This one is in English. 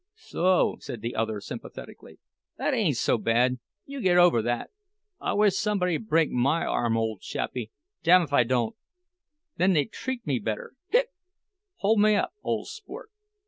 "So," said the other, sympathetically. "That ain't so bad—you get over that. I wish somebody'd break my arm, ole chappie—damfidon't! Then they'd treat me better—hic—hole me up, ole sport!